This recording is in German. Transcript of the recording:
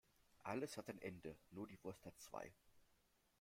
Alles hat ein Ende, nur die Wurst hat zwei.